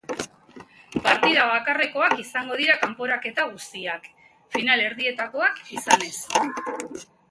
Partida bakarrekoak izango dira kanporaketa guztiak, finalerdietakoak izan ezik.